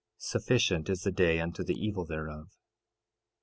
Sufficient is the day unto the evil thereof.